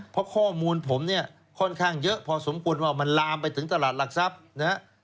เพราะข้อมูลผมเนี่ยค่อนข้างเยอะพอสมควรว่ามันลามไปถึงตลาดหลักทรัพย์นะฮะ